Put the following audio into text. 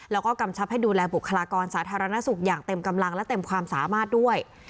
แล้วก็กำชับให้ดูแลบุคลากรสาธารณสุขอย่างเต็มกำลังและเต็มความสามารถด้วย